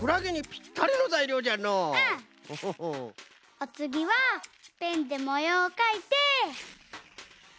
おつぎはペンでもようをかいて。